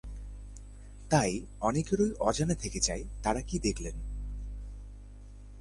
তাই অনেকেরই অজানা থেকে যায় তাঁরা কী দেখলেন।